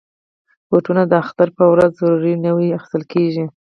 بوټونه د اختر په ورځ ضرور نوي اخیستل کېږي.